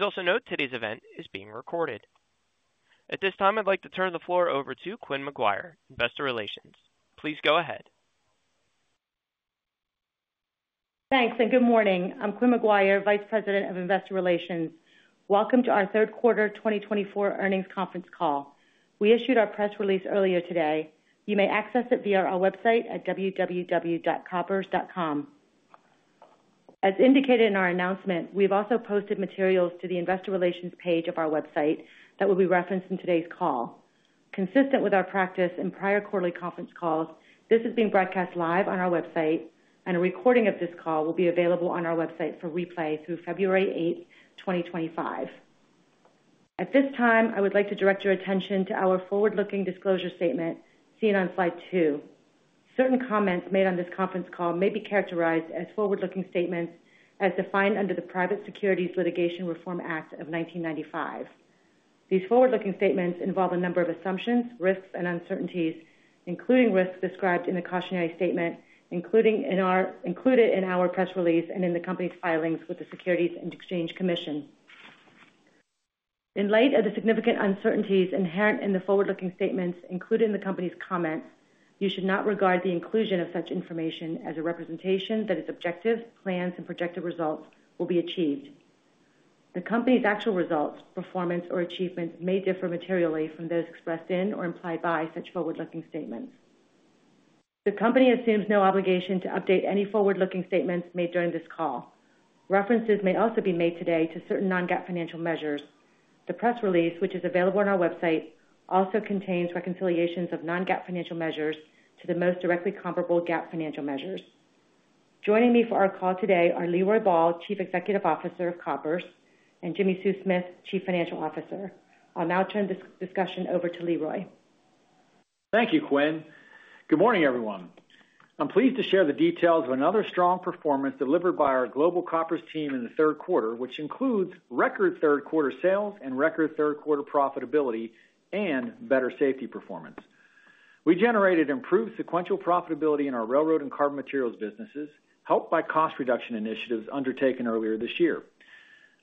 Please also note today's event is being recorded. At this time, I'd like to turn the floor over to Quynh McGuire, Investor Relations. Please go ahead. Thanks, and good morning, I'm Quynh McGuire, Vice President of Investor Relations. Welcome to our Q3 2024 Earnings Conference Call, we issued our press release earlier today. You may access it via our website at www.koppers.com. As indicated in our announcement, we've also posted materials to the Investor Relations page of our website that will be referenced in today's call. Consistent with our practice in prior quarterly conference calls, this is being broadcast live on our website, and a recording of this call will be available on our website for replay through February 8, 2025. At this time, I would like to direct your attention to our forward-looking disclosure statement seen on slide two, certain comments made on this conference call may be characterized as forward-looking statements as defined under the Private Securities Litigation Reform Act of 1995. These forward-looking statements involve a number of assumptions, risks, and uncertainties, including risks described in the cautionary statement, included in our press release and in the company's filings with the Securities and Exchange Commission. In light of the significant uncertainties inherent in the forward-looking statements, included in the company's comments, you should not regard the inclusion of such information as a representation that its objectives, plans, and projected results will be achieved. The company's actual results, performance, or achievements may differ materially from those expressed in or implied by such forward-looking statements. The company assumes no obligation to update any forward-looking statements made during this call. References may also be made today to certain non-GAAP financial measures. The press release, which is available on our website, also contains reconciliations of non-GAAP financial measures. To the most directly comparable GAAP financial measures. Joining me for our call today are Leroy Ball, Chief Executive Officer of Koppers, and Jimmi Sue Smith, Chief Financial Officer. I'll now turn this discussion over to Leroy. Thank you, Quynh. Good morning, everyone. I'm pleased to share the details of another strong performance delivered by our global Koppers team in the Q3, which includes record Q3 sales and record Q3 profitability and better safety performance. We generated improved sequential profitability in our railroad and carbon materials businesses, helped by cost reduction initiatives undertaken earlier this year.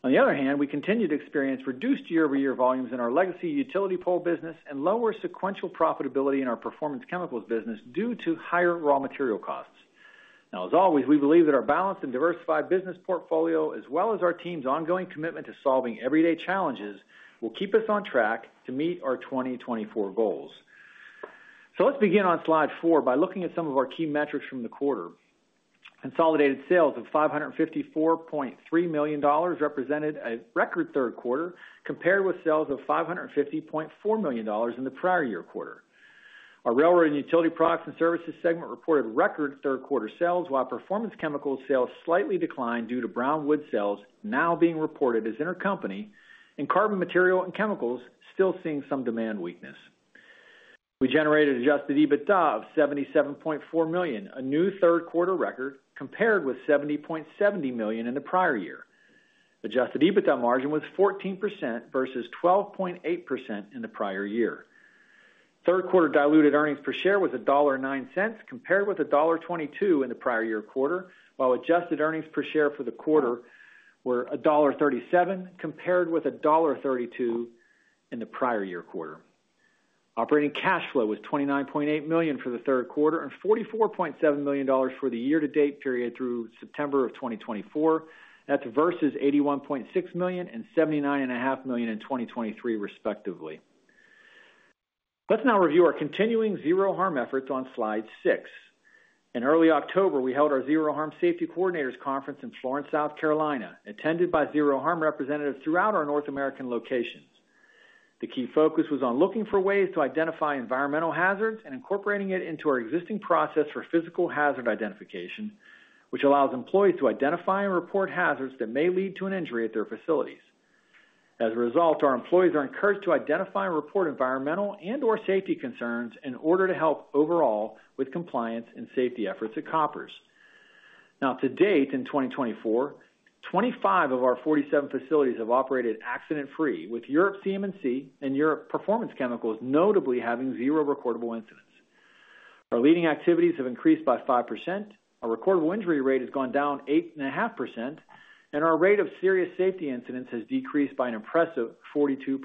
On the other hand, we continue to experience reduced year-over-year volumes in our legacy utility pole business and lower sequential profitability in our performance chemicals business due to higher raw material costs. Now, as always, we believe that our balanced and diversified business portfolio, as well as our team's ongoing commitment to solving everyday challenges, will keep us on track to meet our 2024 goals, so let's begin on slide four by looking at. Some of our key metrics from the quarter, consolidated sales of $554.3 million represented a record Q3 compared with sales of $550.4 million in the prior year quarter. Our Railroad and Utility Products and Services segment reported record Q3 sales, while Performance Chemicals sales slightly declined due to Brown Wood sales now being reported as inter-company and Carbon Materials and Chemicals still seeing some demand weakness. We generated Adjusted EBITDA of $77.4 million, a new Q3 record compared with $70.70 million in the prior year. Adjusted EBITDA margin was 14% versus 12.8% in the prior year. Q3 diluted earnings per share was $1.09 compared with $1.22 in the prior year quarter, while adjusted earnings per share for the quarter were $1.37 compared with $1.32 in the prior year quarter, operating cash flow was $29.8 million. For the Q3 and $44.7 million for the year-to-date period through September of 2024, that's versus $81.6 million and $79.5 million in 2023, respectively. Let's now review our continuing Zero Harm efforts on slide six. In early October, we held our Zero Harm Safety Coordinators Conference in Florence, South Carolina, attended by Zero Harm representatives throughout our North American locations. The key focus was on looking for ways to identify environmental hazards and incorporating it into our existing process for physical hazard identification, which allows employees to identify and report hazards that may lead to an injury at their facilities. As a result, our employees are encouraged to identify and report environmental and/or safety concerns in order to help overall with compliance and safety efforts at Koppers. Now, to date in 2024, 25 of our 47 facilities have operated accident-free. With Europe CM&C and Europe Performance Chemicals notably having zero recordable incidents. Our leading activities have increased by 5%, our recordable injury rate has gone down 8.5%, and our rate of serious safety incidents has decreased by an impressive 42%.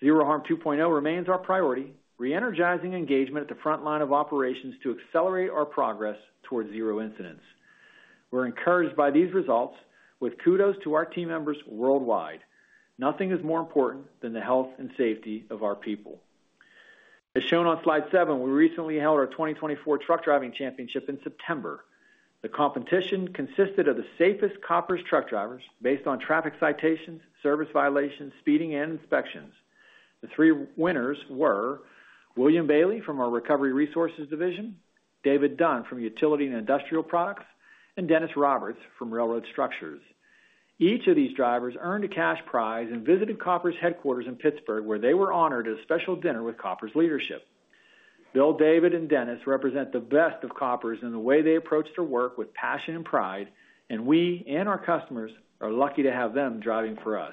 Zero Harm 2.0 remains our priority, re-energizing engagement at the front line of operations to accelerate our progress towards zero incidents. We're encouraged by these results, with kudos to our team members worldwide. Nothing is more important than the health and safety of our people. As shown on slide seven, we recently held our 2024 Truck Driving Championship in September, the competition consisted of the safest Koppers truck drivers based on traffic citations, service violations, speeding, and inspections, the three winners were William Bailey from our Recovery Resources Division, David Dunn from Utility and Industrial Products. And Dennis Roberts from Railroad Structures. Each of these drivers earned a cash prize and visited Koppers headquarters in Pittsburgh, where they were honored at a special dinner with Koppers leadership. Bill, David, and Dennis represent the best of Koppers in the way they approach their work with passion and pride, and we and our customers are lucky to have them driving for us.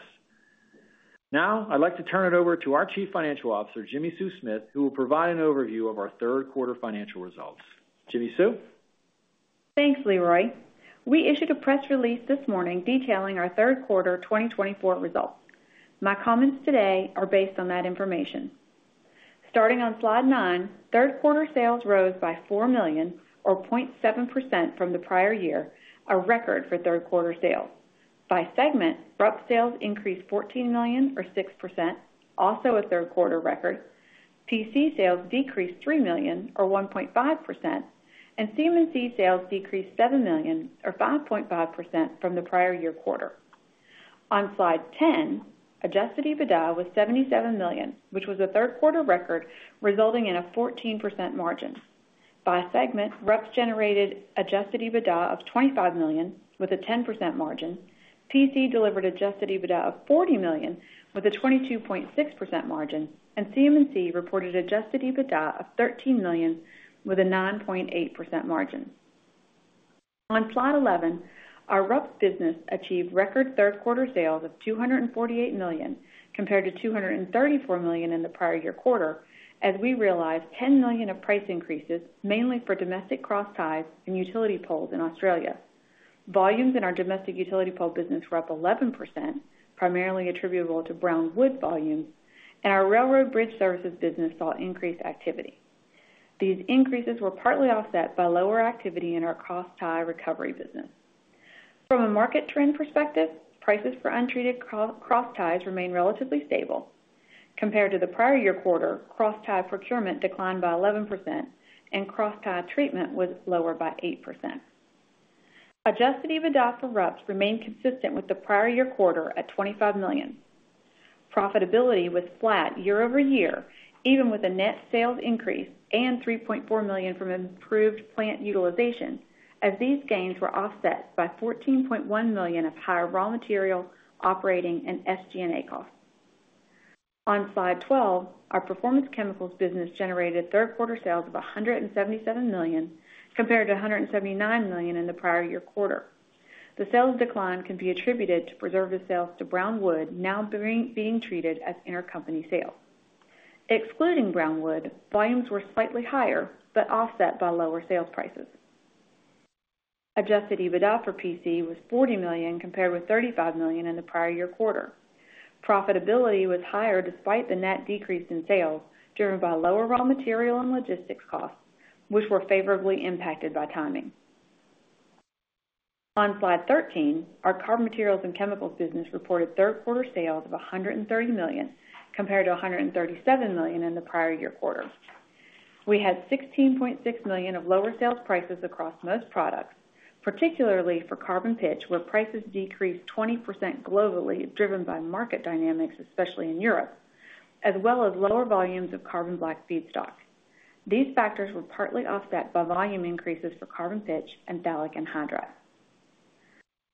Now, I'd like to turn it over to our Chief Financial Officer, Jimmi Sue Smith, who will provide an overview of our Q3 financial results. Jimmi Sue. Thanks, Leroy, we issued a press release this morning detailing our Q3 2024 results, my comments today are based on that information. Starting on slide nine, Q3 sales rose by $4 million, or 0.7% from the prior year, a record for Q3 sales. By segment, RUPS sales increased $14 million, or 6%, also a Q3 record, PC sales decreased $3 million, or 1.5%, and CM&C sales decreased $7 million, or 5.5%, from the prior year quarter. On slide 10, Adjusted EBITDA was $77 million, which was a Q3 record, resulting in a 14% margin, by segment, RUPS generated Adjusted EBITDA of $25 million, with a 10% margin, PC delivered Adjusted EBITDA of $40 million, with a 22.6% margin, and CM&C reported Adjusted EBITDA of $13 million, with a 9.8% margin. On slide 11, our RUP business achieved record Q3 sales of $248 million compared to $234 million in the prior year quarter, as we realized $10 million of price increases, mainly for domestic cross ties and utility poles in Australia. Volumes in our domestic utility pole business were up 11%, primarily attributable to brown wood volumes, and our railroad bridge services business saw increased activity. These increases were partly offset by lower activity in our cross tie recovery business. From a market trend perspective, prices for untreated cross ties remain relatively stable. Compared to the prior year quarter, cross tie procurement declined by 11%, and cross tie treatment was lower by 8%. Adjusted EBITDA for RUPs remained consistent with the prior year quarter at $25 million, profitability was flat year over year. Even with a net sales increase of $3.4 million from improved plant utilization, as these gains were offset by $14.1 million of higher raw material operating and SG&A costs. On slide 12, our Performance Chemicals business generated Q3 sales of $177 million, compared to $179 million in the prior year quarter. The sales decline can be attributed to preservative sales to Brown Wood now being treated as inter-company sales. Excluding Brown Wood, volumes were slightly higher, but offset by lower sales prices. Adjusted EBITDA for PC was $40 million, compared with $35 million in the prior year quarter. Profitability was higher despite the net decrease in sales, driven by lower raw material and logistics costs, which were favorably impacted by timing, on slide 13, our carbon materials and chemicals business reported Q3 sales of $130 million. Compared to $137 million in the prior year quarter. We had $16.6 million of lower sales prices across most products, particularly for carbon pitch, where prices decreased 20% globally, driven by market dynamics, especially in Europe, as well as lower volumes of carbon black feedstock. These factors were partly offset by volume increases for carbon pitch and phthalic anhydride.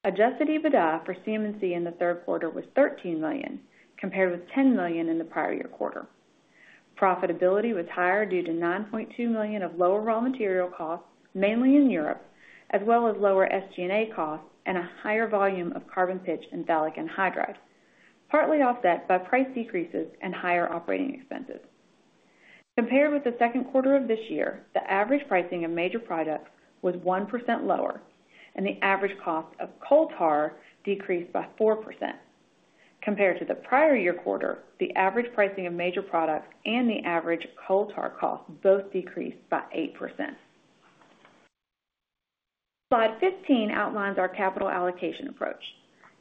Adjusted EBITDA for CM&C in the Q3 was $13 million, compared with $10 million in the prior year quarter. Profitability was higher due to $9.2 million of lower raw material costs, mainly in Europe, as well as lower SG&A costs and a higher volume of carbon pitch and phthalic anhydride, partly offset by price decreases and higher operating expenses. Compared with the Q2 of this year, the average pricing of major products was 1% lower. And the average cost of coal tar decreased by 4%, compared to the prior year quarter, the average pricing of major products and the average coal tar cost both decreased by 8%. Slide 15 outlines our capital allocation approach.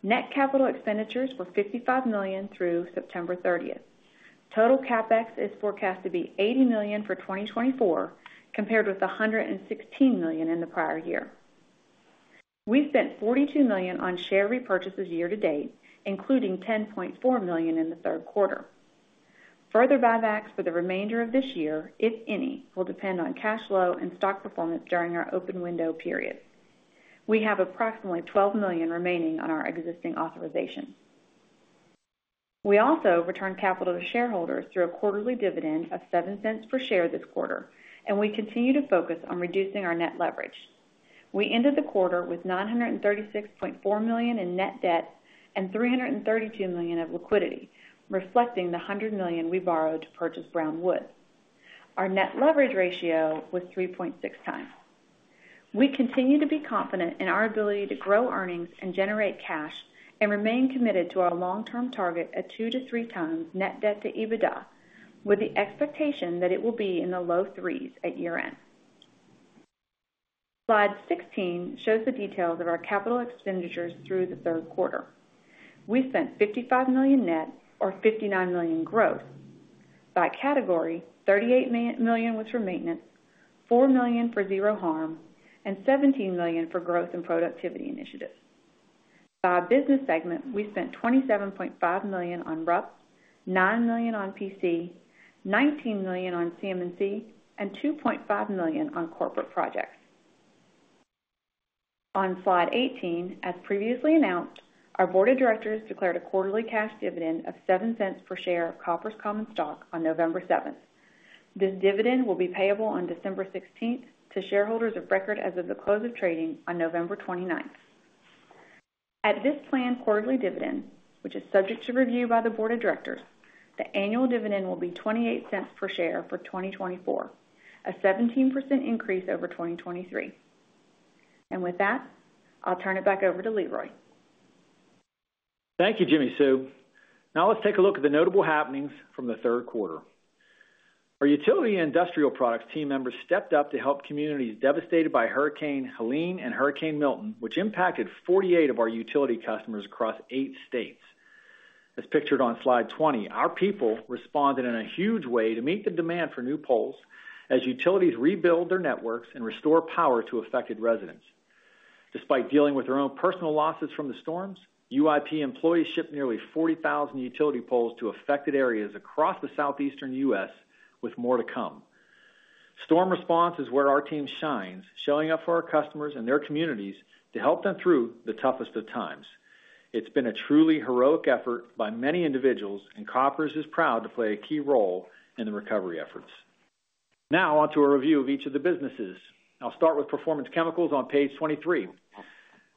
Net capital expenditures were $55 million through September 30th. Total CapEx is forecast to be $80 million for 2024, compared with $116 million in the prior year. We spent $42 million on share repurchases year-to-date, including $10.4 million in the Q3. Further buybacks for the remainder of this year, if any, will depend on cash flow and stock performance during our open window period, we have approximately $12 million remaining on our existing authorization, we also returned capital to shareholders through a quarterly dividend of $0.07 per share this quarter. And we continue to focus on reducing our net leverage, we ended the quarter with $936.4 million in net debt and $332 million of liquidity, reflecting the $100 million we borrowed to purchase Brown Wood. Our net leverage ratio was 3.6 times, we continue to be confident in our ability to grow earnings and generate cash and remain committed to our long-term target at two to three times net debt to EBITDA, with the expectation that it will be in the low threes at year-end. Slide 16 shows the details of our capital expenditures through the Q3. We spent $55 million net, or $59 million gross. By category, $38 million was for maintenance, $4 million for Zero Harm, and $17 million for growth and productivity initiatives, by business segment, we spent $27.5 million on RUP. $9 million on PC, $19 million on CM&C, and $2.5 million on corporate projects. On slide 18, as previously announced, our board of directors declared a quarterly cash dividend of $0.07 per share of Koppers Common Stock on November 7th. This dividend will be payable on December 16th to shareholders of record as of the close of trading on November 29th. At this planned quarterly dividend, which is subject to review by the board of directors, the annual dividend will be $0.28 per share for 2024, a 17% increase over 2023. With that, I'll turn it back over to Leroy. Thank you, Jimmi Sue. Now, let's take a look at the notable happenings from the Q3. Our utility and industrial products team members stepped up to help communities devastated by Hurricane Helene and Hurricane Milton, which impacted 48 of our utility customers across eight states. As pictured on slide 20, our people responded in a huge way to meet the demand for new poles as utilities rebuild their networks and restore power to affected residents. Despite dealing with their own personal losses from the storms, UIP employees shipped nearly 40,000 utility poles to affected areas across the Southeast U.S., with more to come. Storm response is where our team shines, showing up for our customers and their communities to help them through the toughest of times. It's been a truly heroic effort by many individuals. And Koppers is proud to play a key role in the recovery efforts. Now, onto a review of each of the businesses. I'll start with Performance Chemicals on page 23.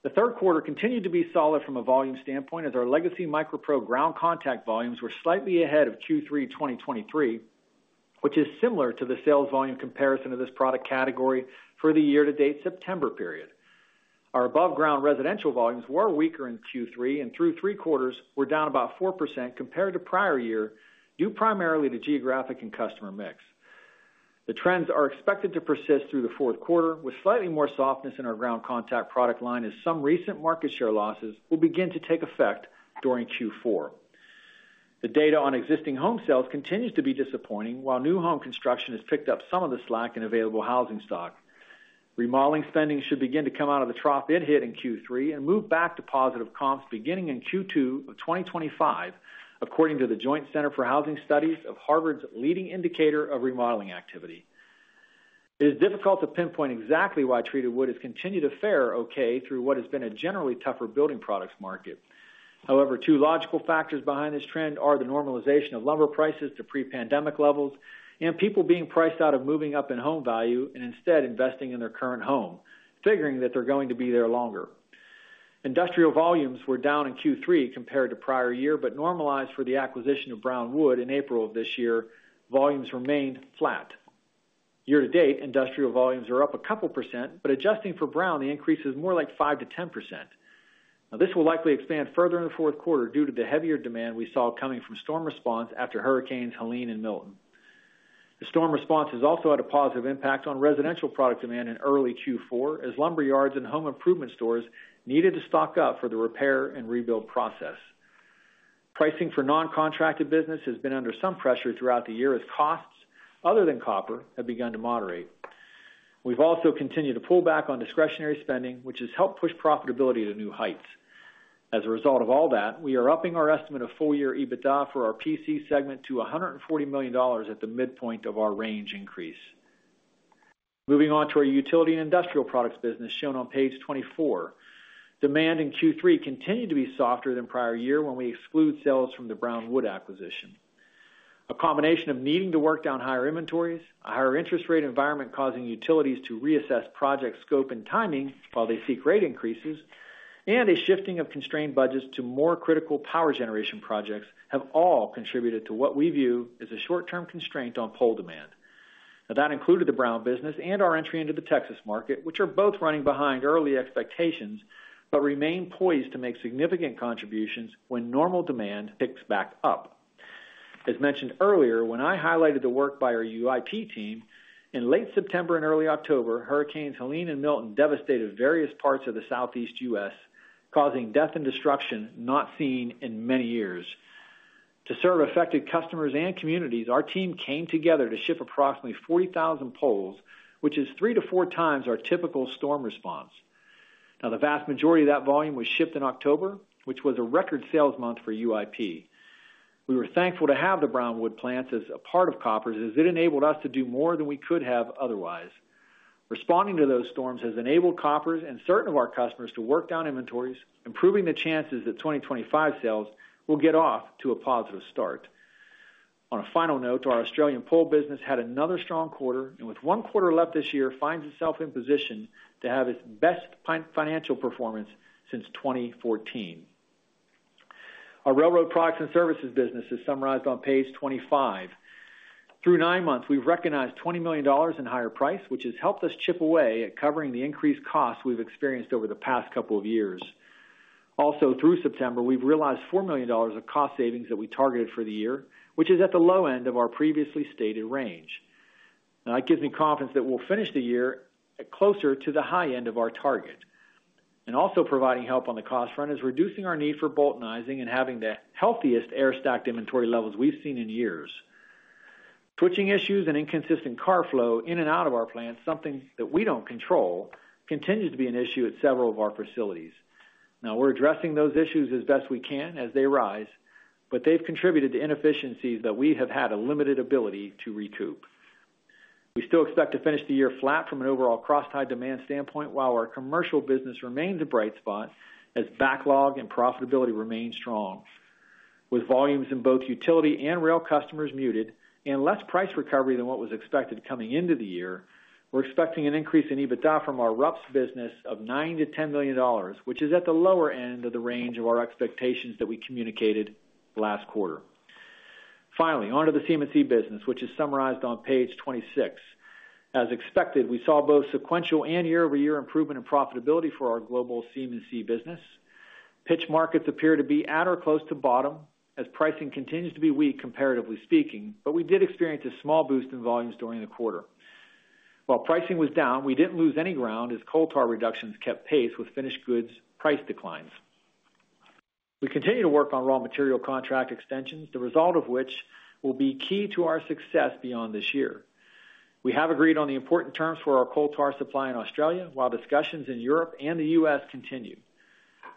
The Q3 continued to be solid from a volume standpoint, as our legacy MicroPro ground contact volumes were slightly ahead of Q3 2023, which is similar to the sales volume comparison of this product category for the year-to-date September period. Our above ground residential volumes were weaker in Q3, and through three quarters, were down about 4% compared to prior year, due primarily to geographic and customer mix. The trends are expected to persist through the Q4, with slightly more softness in our ground contact product line, as some recent market share losses will begin to take effect during Q4. The data on existing home sales continues to be disappointing. While new home construction has picked up some of the slack in available housing stock. Remodeling spending should begin to come out of the trough it hit in Q3 and move back to positive comps beginning in Q2 of 2025, according to the Joint Center for Housing Studies of Harvard's Leading Indicator of Remodeling Activity. It is difficult to pinpoint exactly why treated wood has continued to fare okay through what has been a generally tougher building products market. However, two logical factors behind this trend are the normalization of lumber prices to pre-pandemic levels and people being priced out of moving up in home value and instead investing in their current home, figuring that they're going to be there longer. Industrial volumes were down in Q3 compared to prior year. But normalized for the acquisition of Brown Wood in April of this year. Volumes remained flat. Year-to-date, industrial volumes are up a couple %, but adjusting for Brown, the increase is more like 5%-10%. Now, this will likely expand further in the Q4 due to the heavier demand we saw coming from storm response after Hurricanes Helene and Milton. The storm response has also had a positive impact on residential product demand in early Q4, as lumber yards and home improvement stores needed to stock up for the repair and rebuild process. Pricing for non-contracted business has been under some pressure throughout the year, as costs, other than copper, have begun to moderate. We've also continued to pull back on discretionary spending, which has helped push profitability to new heights, as a result of all that. We are upping our estimate of full-year EBITDA for our PC segment to $140 million at the midpoint of our range increase. Moving on to our utility and industrial products business, shown on page 24, demand in Q3 continued to be softer than prior year when we exclude sales from the Brown Wood acquisition. A combination of needing to work down higher inventories, a higher interest rate environment causing utilities to reassess project scope and timing while they seek rate increases, and a shifting of constrained budgets to more critical power generation projects have all contributed to what we view as a short-term constraint on pole demand. Now, that included the Brown business and our entry into the Texas market, which are both running behind early expectations but remain poised to make significant contributions when normal demand picks back up. As mentioned earlier, when I highlighted the work by our UIP team, in late September and early October, Hurricanes Helene and Milton devastated various parts of the Southeast U.S., causing death and destruction not seen in many years. To serve affected customers and communities, our team came together to ship approximately 40,000 poles, which is three to four times our typical storm response. Now, the vast majority of that volume was shipped in October, which was a record sales month for UIP. We were thankful to have the Brown Wood plants as a part of Koppers, as it enabled us to do more than we could have otherwise. Responding to those storms has enabled Koppers and certain of our customers to work down inventories, improving the chances that 2025 sales will get off to a positive start. On a final note, our Australian pole business had another strong quarter, and with one quarter left this year, finds itself in position to have its best financial performance since 2014. Our railroad products and services business is summarized on page 25. Through nine months, we've recognized $20 million in higher price, which has helped us chip away at covering the increased costs we've experienced over the past couple of years. Also, through September, we've realized $4 million of cost savings that we targeted for the year, which is at the low end of our previously stated range. Now, that gives me confidence that we'll finish the year closer to the high end of our target, and also, providing help on the cost front is reducing our need for Boultonizing. And having the healthiest air-stacked inventory levels we've seen in years, switching issues and inconsistent car flow in and out of our plants, something that we don't control, continues to be an issue at several of our facilities. Now, we're addressing those issues as best we can as they rise, but they've contributed to inefficiencies that we have had a limited ability to recoup. We still expect to finish the year flat from an overall cross-tie demand standpoint, while our commercial business remains a bright spot as backlog and profitability remain strong. With volumes in both utility and rail customers muted and less price recovery than what was expected coming into the year, we're expecting an increase in EBITDA from our RUPS business of $9 to 10 million, which is at the lower end of the range of our expectations. That we communicated last quarter. Finally, on to the CM&C business, which is summarized on page 26. As expected, we saw both sequential and year-over-year improvement in profitability for our global CM&C business. Pitch markets appear to be at or close to bottom as pricing continues to be weak, comparatively speaking, but we did experience a small boost in volumes during the quarter. While pricing was down, we didn't lose any ground as coal tar reductions kept pace with finished goods price declines. We continue to work on raw material contract extensions, the result of which will be key to our success beyond this year. We have agreed on the important terms for our coal tar supply in Australia while discussions in Europe and the U.S. continue.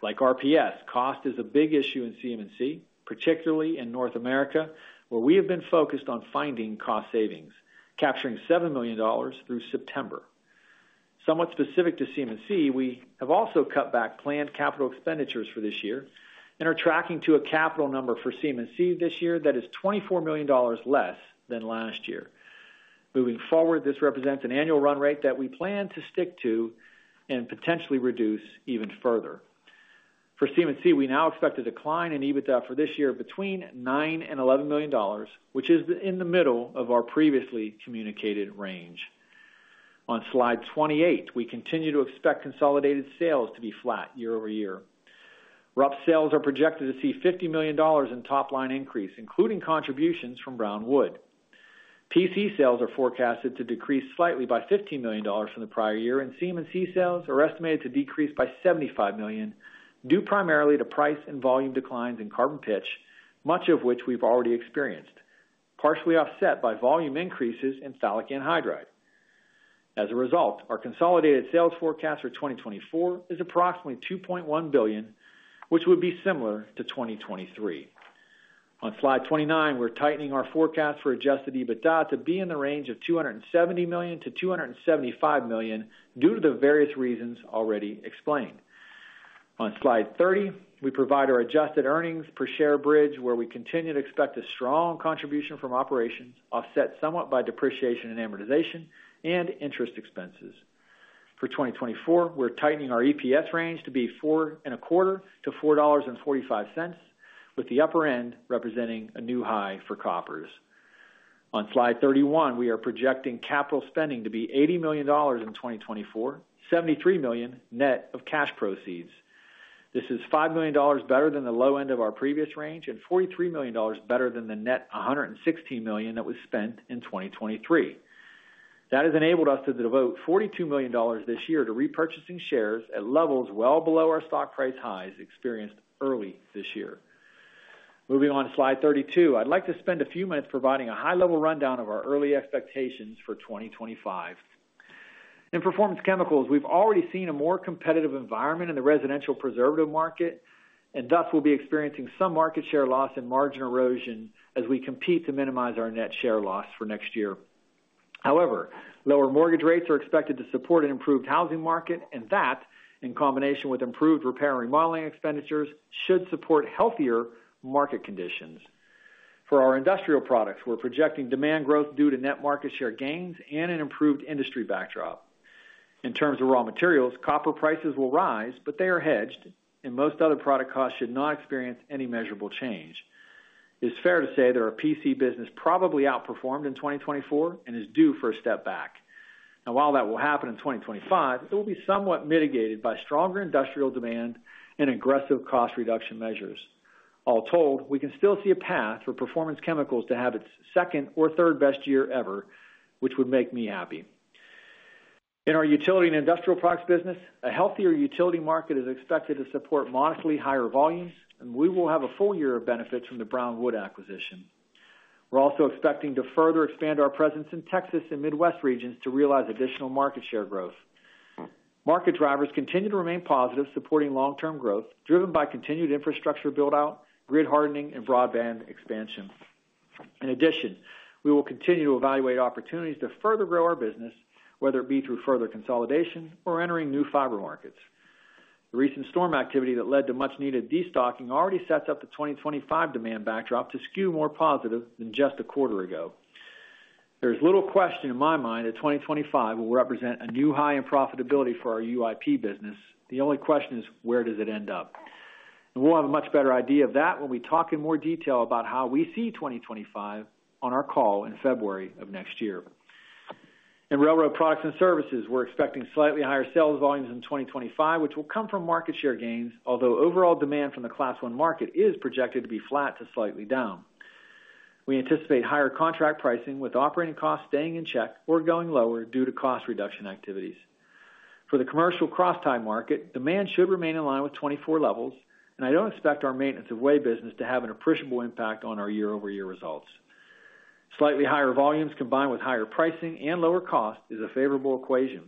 Like RUPS, cost is a big issue in CM&C, particularly in North America. Where we have been focused on finding cost savings, capturing $7 million through September. Somewhat specific to CM&C, we have also cut back planned capital expenditures for this year and are tracking to a capital number for CM&C this year that is $24 million less than last year. Moving forward, this represents an annual run rate that we plan to stick to and potentially reduce even further. For CM&C, we now expect a decline in EBITDA for this year between $9 and $11 million, which is in the middle of our previously communicated range. On slide 28, we continue to expect consolidated sales to be flat year-over-year. RUPS sales are projected to see $50 million in top-line increase, including contributions from Brown Wood, PC sales are forecasted to decrease slightly by $15 million from the prior year. And CM&C sales are estimated to decrease by $75 million, due primarily to price and volume declines in carbon pitch, much of which we've already experienced, partially offset by volume increases in phthalic anhydride. As a result, our consolidated sales forecast for 2024 is approximately $2.1 billion, which would be similar to 2023. On slide 29, we're tightening our forecast for adjusted EBITDA to be in the range of $270-$275 million due to the various reasons already explained. On slide 30, we provide our adjusted earnings per share bridge, where we continue to expect a strong contribution from operations, offset somewhat by depreciation and amortization, and interest expenses. For 2024, we're tightening our EPS range to be $4.25 to 4.45, with the upper end representing a new high for Koppers, on slide 31. We are projecting capital spending to be $80 million in 2024, $73 million net of cash proceeds. This is $5 million better than the low end of our previous range and $43 million better than the net $116 million that was spent in 2023. That has enabled us to devote $42 million this year to repurchasing shares at levels well below our stock price highs experienced early this year. Moving on to slide 32, I'd like to spend a few minutes providing a high-level rundown of our early expectations for 2025. In Performance Chemicals, we've already seen a more competitive environment in the residential preservative market, and thus we'll be experiencing some market share loss and margin erosion as we compete to minimize our net share loss for next year. However, lower mortgage rates are expected to support an improved housing market, and that, in combination with improved repair and remodeling expenditures, should support healthier market conditions. For our industrial products, we're projecting demand growth due to net market share gains and an improved industry backdrop. In terms of raw materials, copper prices will rise, but they are hedged, and most other product costs should not experience any measurable change. It is fair to say that our PC business probably outperformed in 2024 and is due for a step back. Now, while that will happen in 2025, it will be somewhat mitigated by stronger industrial demand and aggressive cost reduction measures. All told, we can still see a path for Performance Chemicals to have its second or third best year ever, which would make me happy. In our utility and industrial products business, a healthier utility market is expected to support modestly higher volumes, and we will have a full year of benefits from the Brown Wood acquisition. We're also expecting to further expand our presence in Texas and Midwest regions to realize additional market share growth. Market drivers continue to remain positive, supporting long-term growth driven by continued infrastructure build-out, grid hardening, and broadband expansion. In addition, we will continue to evaluate opportunities to further grow our business, whether it be through further consolidation or entering new fiber markets. The recent storm activity that led to much-needed destocking already sets up the 2025 demand backdrop to skew more positive than just a quarter ago. There is little question in my mind that 2025 will represent a new high in profitability for our UIP business. The only question is, where does it end up? We'll have a much better idea of that when we talk in more detail about how we see 2025 on our call in February of next year. In railroad products and services, we're expecting slightly higher sales volumes in 2025, which will come from market share gains, although overall demand from the Class I market is projected to be flat to slightly down. We anticipate higher contract pricing, with operating costs staying in check or going lower due to cost reduction activities. For the commercial cross-tie market, demand should remain in line with 24 levels, and I don't expect our maintenance-of-way business to have an appreciable impact on our year-over-year results. Slightly higher volumes combined with higher pricing and lower cost is a favorable equation.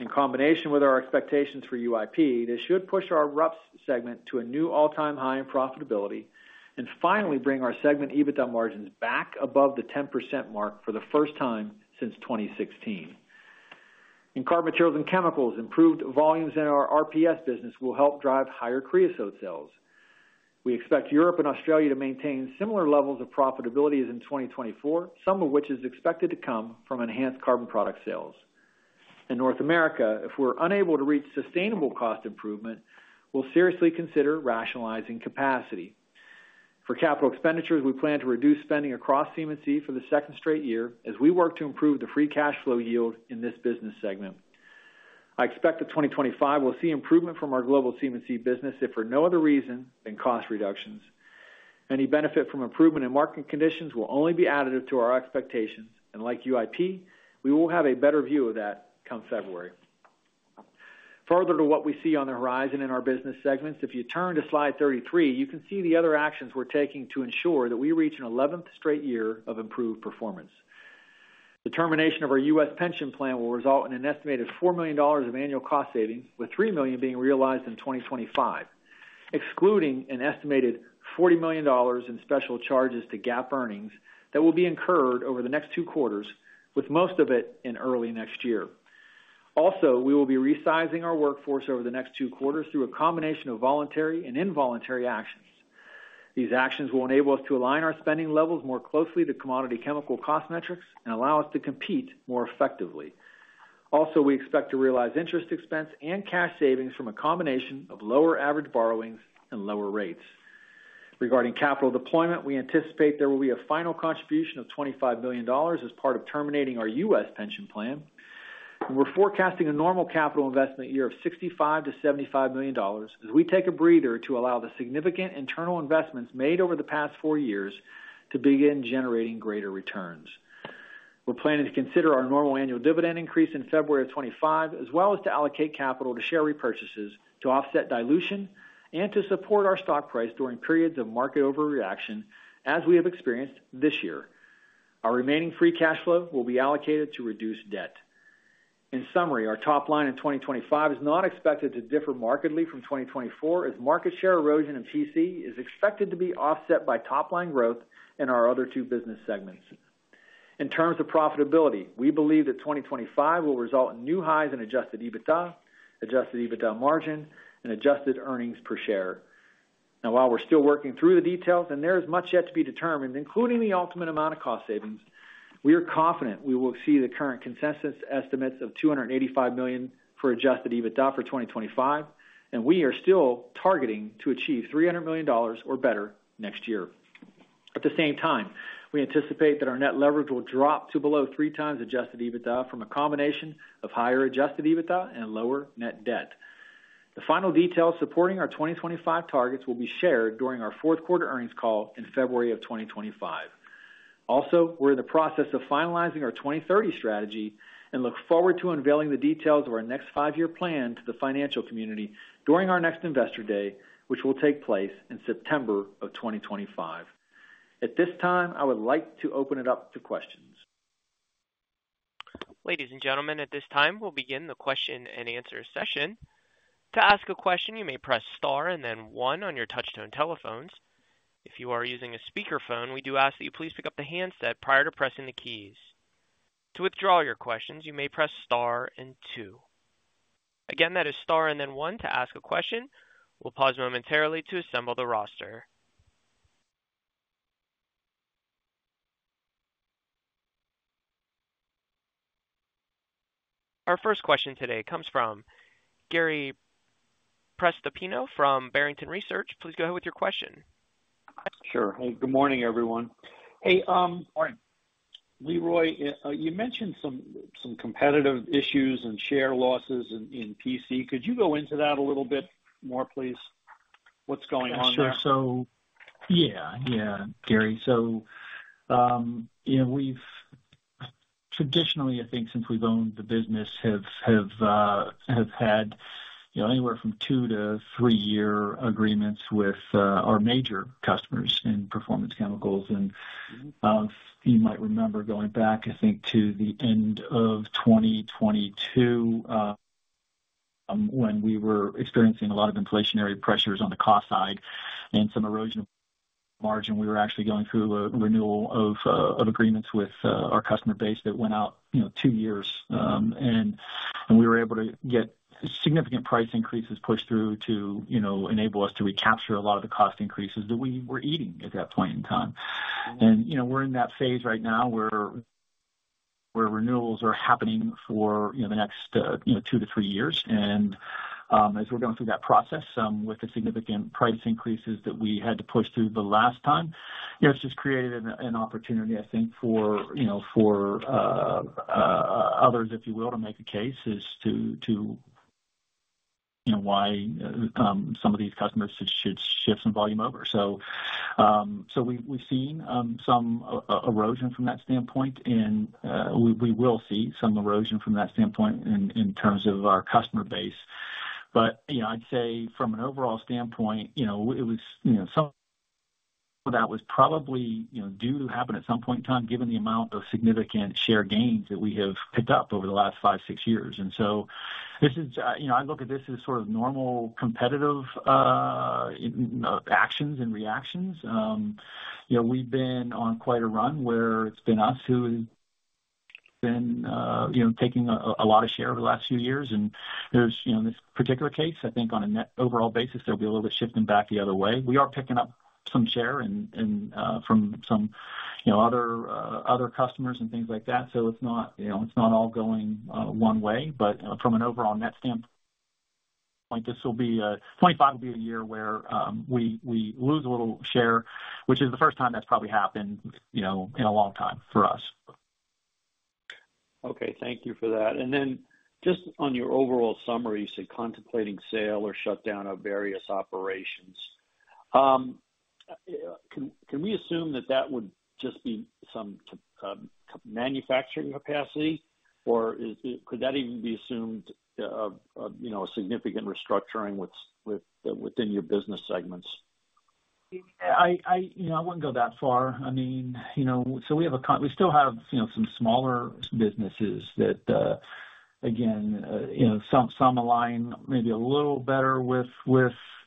In combination with our expectations for UIP, this should push our RUPS segment to a new all-time high in profitability and finally bring our segment EBITDA margins back above the 10% mark for the first time since 2016. In carbon materials and chemicals, improved volumes in our RUPS business will help drive higher creosote sales. We expect Europe and Australia to maintain similar levels of profitability as in 2024, some of which is expected to come from enhanced carbon product sales. In North America, if we're unable to reach sustainable cost improvement, we'll seriously consider rationalizing capacity. For capital expenditures, we plan to reduce spending across CM&C for the second straight year as we work to improve the free cash flow yield in this business segment. I expect that 2025 will see improvement from our global CM&C business. If for no other reason than cost reduction, any benefit from improvement in market conditions will only be additive to our expectations, and like UIP, we will have a better view of that come February. Further to what we see on the horizon in our business segments, if you turn to slide 33, you can see the other actions we're taking to ensure that we reach an 11th straight year of improved performance. The termination of our U.S. pension plan will result in an estimated $4 million of annual cost savings, with $3 million being realized in 2025, excluding an estimated $40 million in special charges to GAAP earnings that will be incurred over the next two quarters, with most of it in early next year. Also, we will be resizing our workforce over the next two quarters. Through a combination of voluntary and involuntary actions. These actions will enable us to align our spending levels more closely to commodity chemical cost metrics and allow us to compete more effectively. Also, we expect to realize interest expense and cash savings from a combination of lower average borrowings and lower rates. Regarding capital deployment, we anticipate there will be a final contribution of $25 million as part of terminating our U.S. pension plan. We're forecasting a normal capital investment year of $65 to 75 million as we take a breather to allow the significant internal investments made over the past four years to begin generating greater returns. We're planning to consider our normal annual dividend increase in February of 2025, as well as to allocate capital to share repurchases to offset dilution. And to support our stock price during periods of market overreaction, as we have experienced this year. Our remaining free cash flow will be allocated to reduce debt. In summary, our top line in 2025 is not expected to differ markedly from 2024, as market share erosion in PC is expected to be offset by top-line growth in our other two business segments. In terms of profitability, we believe that 2025 will result in new highs in adjusted EBITDA, adjusted EBITDA margin, and adjusted earnings per share. Now, while we're still working through the details and there is much yet to be determined, including the ultimate amount of cost savings, we are confident we will see the current consensus estimates of $285 million for adjusted EBITDA for 2025, and we are still targeting to achieve $300 million. Or better next year, at the same time, we anticipate that our net leverage will drop to below three times Adjusted EBITDA from a combination of higher Adjusted EBITDA and lower net debt. The final details supporting our 2025 targets will be shared during our Q4 earnings call in February of 2025. Also, we're in the process of finalizing our 2030 strategy and look forward to unveiling the details of our next five-year plan to the financial community during our next investor day, which will take place in September of 2025. At this time, I would like to open it up to questions. Ladies and gentlemen, at this time, we'll begin the question and answer session. To ask a question, you may press star and then one on your Touch-Tone telephones. If you are using a speakerphone, we do ask that you please pick up the handset prior to pressing the keys. To withdraw your questions, you may press star and two. Again, that is star and then one to ask a question. We'll pause momentarily to assemble the roster. Our first question today comes from Gary Prestopino from Barrington Research. Please go ahead with your question. Sure. Hey, good morning, everyone. Hey. Good morning. Leroy, you mentioned some competitive issues and share losses in PC. Could you go into that a little bit more, please? What's going on there? Sure. So, yeah, yeah, Gary. So we've traditionally, I think since we've owned the business, have had anywhere from two to three-year agreements with our major customers in Performance Chemicals. And you might remember going back, I think, to the end of 2022 when we were experiencing a lot of inflationary pressures on the cost side and some erosion of margin. We were actually going through a renewal of agreements with our customer base that went out two years, and we were able to get significant price increases pushed through to enable us to recapture a lot of the cost increases that we were eating at that point in time, and we're in that phase right now where renewals are happening for the next two to three years, and as we're going through that process. With the significant price increases that we had to push through the last time, it's just created an opportunity, I think, for others, if you will, to make a case as to why some of these customers should shift some volume over, so we've seen some erosion from that standpoint, and we will see some erosion from that standpoint in terms of our customer base. But I'd say from an overall standpoint, it was something that was probably due to happen at some point in time, given the amount of significant share gains that we have picked up over the last five, six years. And so I look at this as sort of normal competitive actions and reactions. We've been on quite a run where it's been us who have been taking. A lot of share over the last few years. And in this particular case, I think on a net overall basis, there'll be a little bit of shifting back the other way. We are picking up some share from some other customers and things like that. So it's not all going one way. But from an overall net standpoint, this will be 2025, a year where we lose a little share, which is the first time that's probably happened in a long time for us. Okay. Thank you for that. And then just on your overall summary, you said contemplating sale or shutdown of various operations. Can we assume that that would just be some manufacturing capacity, or could that even be assumed a significant restructuring within your business segments? I wouldn't go that far. I mean, so we still have some smaller businesses that, again, some align maybe a little better with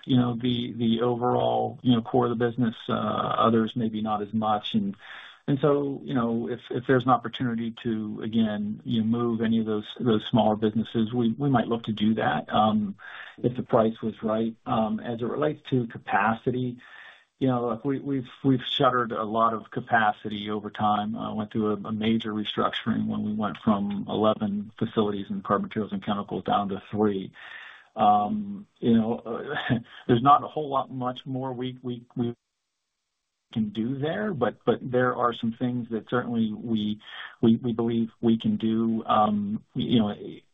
the overall core of the business. Others maybe not as much. And so if there's an opportunity to, again, move any of those smaller businesses, we might look to do that if the price was right. As it relates to capacity, we've shuttered a lot of capacity over time. I went through a major restructuring when we went from 11 facilities in carbon materials and chemicals down to three. There's not a whole lot much more we can do there, but there are some things that certainly we believe we can do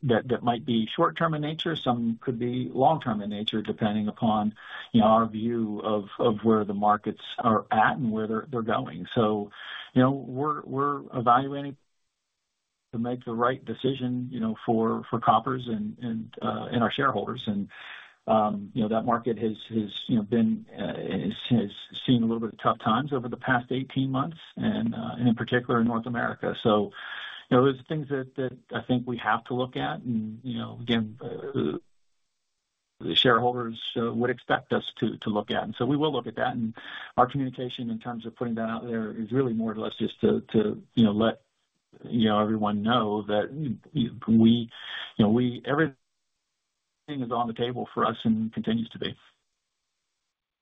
that might be short-term in nature. Some could be long-term in nature, depending upon our view of where the markets are at. And where they're going, so we're evaluating to make the right decision for Koppers and our shareholders, and that market has seen a little bit of tough times over the past 18 months, and in particular, in North America. So those are things that I think we have to look at and, again, the shareholders would expect us to look at, and so we will look at that. And our communication in terms of putting that out there is really more or less just to let everyone know that everything is on the table for us and continues to be.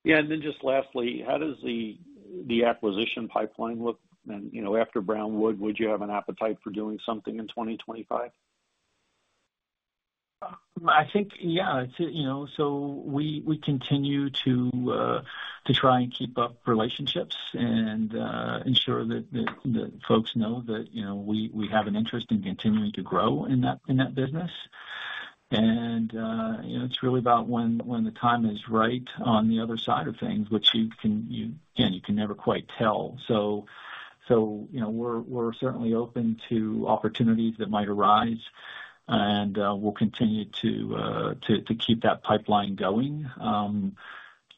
Yeah. And then just lastly, how does the acquisition pipeline look? And after Brown Wood, would you have an appetite for doing something in 2025? I think, yeah. So we continue to try and keep up relationships and ensure that folks know that we have an interest in continuing to grow in that business. And it's really about when the time is right on the other side of things, which, again, you can never quite tell. So we're certainly open to opportunities that might arise, and we'll continue to keep that pipeline going.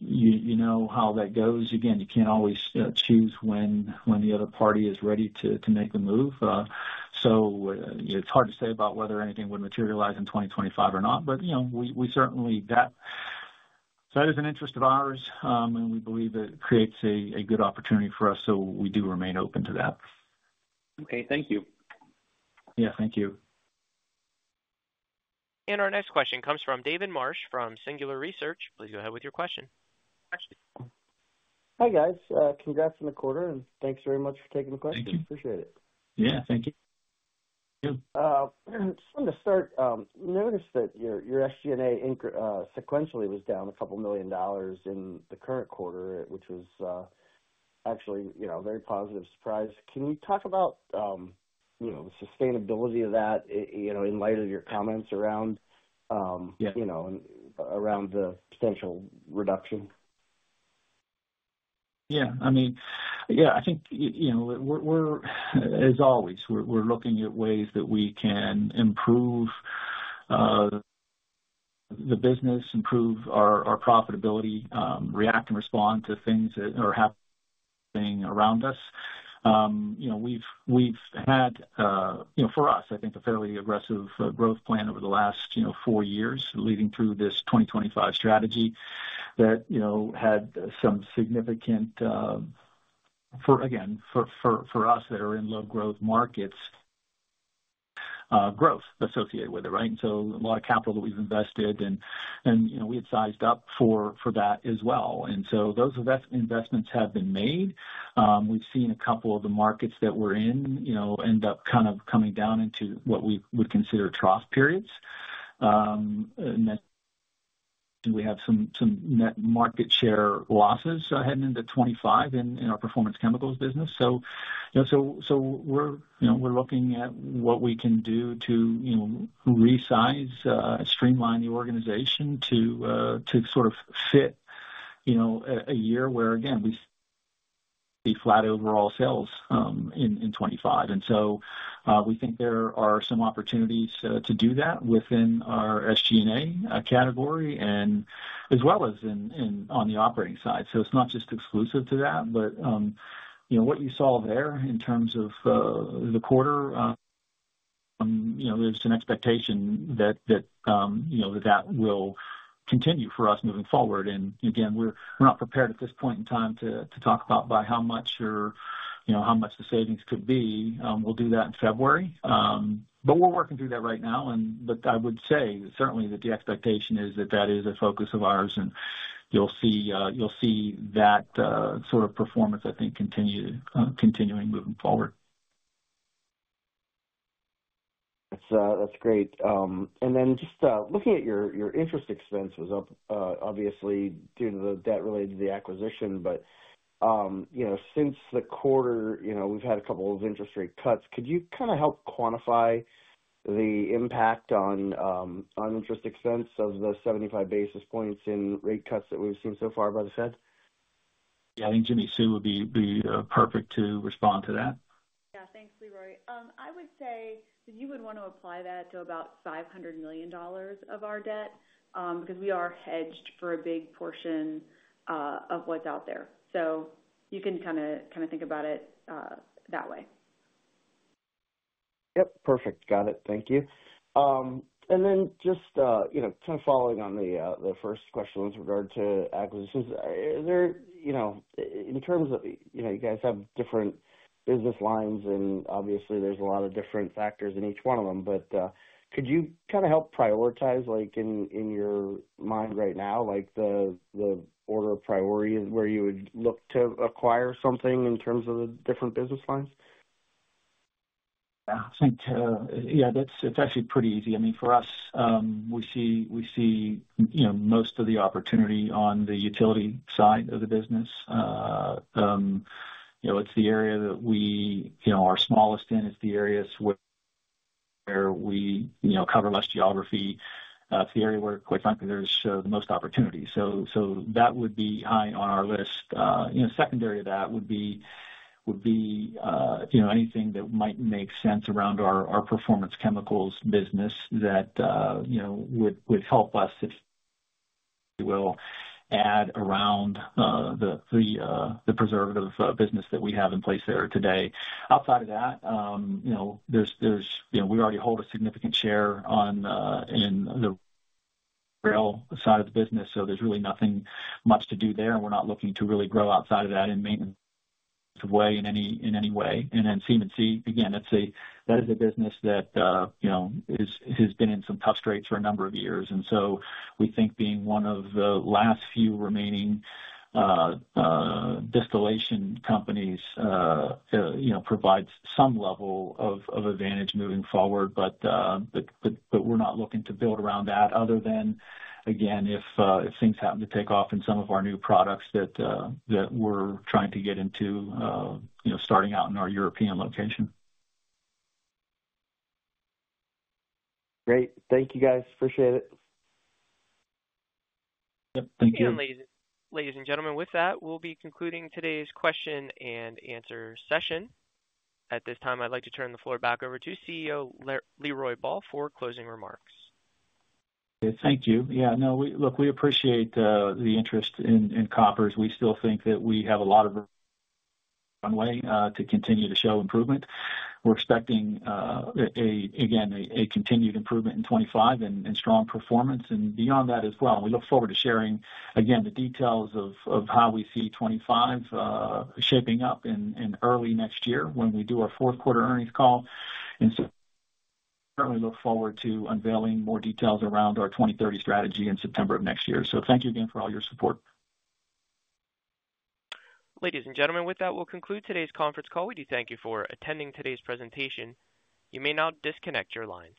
You know how that goes. Again, you can't always choose when the other party is ready to make the move. So it's hard to say about whether anything would materialize in 2025 or not, but certainly, that is an interest of ours, and we believe it creates a good opportunity for us. So we do remain open to that. Okay. Thank you. Yeah. Thank you. And our next question comes from David Marsh from Singular Research. Please go ahead with your question. Hi, guys. Congrats on the quarter, and thanks very much for taking the question. Appreciate it. Yeah. Thank you. Just wanted to start. Noticed that your SG&A sequentially was down $2 million in the current quarter, which was actually a very positive surprise. Can you talk about the sustainability of that in light of your comments around the potential reduction? Yeah. I mean, yeah, I think, as always, we're looking at ways that we can improve the business, improve our profitability, react and respond to things that are happening around us. We've had, for us, I think, a fairly aggressive growth plan over the last four years, leading through this 2025 strategy that had some significant, again, for us that are in low-growth markets, growth associated with it, right? And so a lot of capital that we've invested, and we had sized up for that as well. And so those investments have been made. We've seen a couple of the markets that we're in end up kind of coming down into what we would consider trough periods. And then we have some net market share losses ahead into 2025 in our Performance Chemicals business. We're looking at what we can do to resize, streamline the organization to sort of fit a year where, again, we see flat overall sales in 2025. And so we think there are some opportunities to do that within our SG&A category as well as on the operating side. So it's not just exclusive to that, but what you saw there in terms of the quarter, there's an expectation that that will continue for us moving forward. And again, we're not prepared at this point in time to talk about by how much or how much the savings could be. We'll do that in February. But we're working through that right now. But I would say certainly that the expectation is that that is a focus of ours, and you'll see that sort of performance, I think, continuing moving forward. That's great. And then, just looking at your interest expenses, obviously, due to the debt related to the acquisition, but since the quarter, we've had a couple of interest rate cuts. Could you kind of help quantify the impact on interest expense of the 75 basis points in rate cuts that we've seen so far by the Fed? Yeah. I think Jimmi Sue would be perfect to respond to that. Yeah. Thanks, Leroy. I would say that you would want to apply that to about $500 million of our debt because we are hedged for a big portion of what's out there. So you can kind of think about it that way. Yep. Perfect. Got it. Thank you. And then just kind of following on the first question with regard to acquisitions, in terms of you guys have different business lines, and obviously, there's a lot of different factors in each one of them. But could you kind of help prioritize in your mind right now the order of priority where you would look to acquire something in terms of the different business lines? Yeah. I think, yeah, it's actually pretty easy. I mean, for us, we see most of the opportunity on the utility side of the business. It's the area that we are smallest in. It's the areas where we cover less geography. It's the area where, quite frankly, there's the most opportunity. So that would be high on our list. Secondary to that would be anything that might make sense around our performance chemicals business that would help us, if you will, add around the preservative business that we have in place there today. Outside of that, we already hold a significant share in the rail side of the business. So there's really nothing much to do there. We're not looking to really grow outside of that in a maintenance way in any way. And then CM&C, again, that is a business that has been in some tough straits for a number of years, and so we think being one of the last few remaining distillation companies provides some level of advantage moving forward, but we're not looking to build around that other than, again, if things happen to take off in some of our new products that we're trying to get into starting out in our European location. Great. Thank you, guys. Appreciate it. Yep. Thank you. And then, ladies and gentlemen, with that, we'll be concluding today's question and answer session. At this time, I'd like to turn the floor back over to CEO Leroy Ball for closing remarks. Thank you. Yeah. No, look, we appreciate the interest in Koppers. We still think that we have a lot of runway to continue to show improvement. We're expecting, again, a continued improvement in 2025 and strong performance. And beyond that as well, we look forward to sharing, again, the details of how we see 2025 shaping up in early next year when we do our Q4 earnings call. And certainly look forward to unveiling more details around our 2030 strategy in September of next year. So thank you again for all your support. Ladies and gentlemen, with that, we'll conclude today's conference call. We do thank you for attending today's presentation. You may now disconnect your lines.